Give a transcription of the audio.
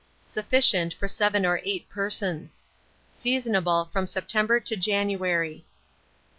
Sufficient for 7 or 8 persons. Seasonable from September to January.